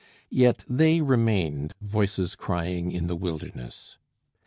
Yet they remained voices crying in the wilderness.